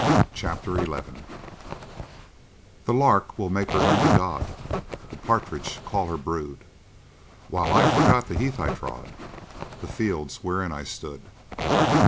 CHAPTER XI The lark will make her hymn to God, The partridge call her brood, While I forget the heath I trod, The fields wherein I stood.